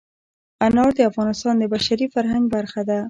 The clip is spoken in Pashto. انار د افغانستان د بشري فرهنګ برخه ده.